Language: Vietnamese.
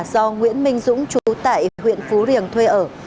do nguyễn minh dũng chú tại huyện phú riềng thuê ở